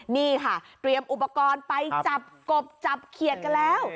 นี่ค่ะเตรียมอุปกรณ์ไปจับกบจับเขียดกันแล้ว